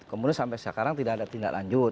kemudian sampai sekarang tidak ada tindak lanjut